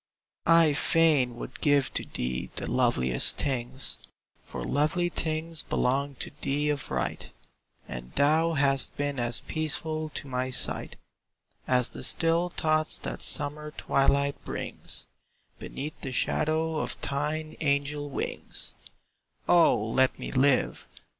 I fain would give to thee the loveliest things, For lovely things belong to thee of right, And thou hast been as peaceful to my sight, As the still thoughts that summer twilight brings; Beneath the shadow of thine angel wings O let me live!